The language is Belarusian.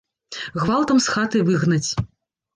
Гвалтам з хаты выгнаць.